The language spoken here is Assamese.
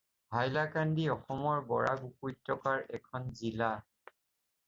হাইলাকান্দি অসমৰ বৰাক উপত্যকাৰ এখন জিলা।